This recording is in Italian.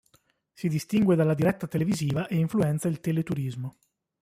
Si distingue dalla diretta televisiva e influenza il tele-turismo.